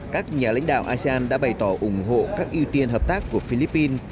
các nhà lãnh đạo asean đã bày tỏ ủng hộ các ưu tiên hợp tác của philippines